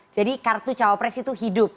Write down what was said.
jadi kartu cawapres itu hidup